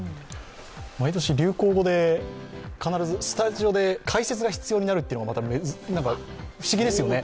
毎年流行語で必ずスタジオで解説が必要になるというのも不思議ですよね。